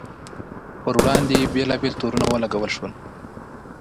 پر وړاندې یې بېلابېل تورونه ولګول شول.